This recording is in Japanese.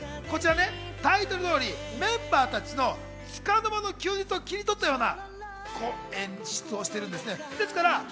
タイトル通り、メンバーたちのつかの間の休日を切り取ったような演出なんです。